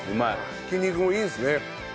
挽き肉もいいですね。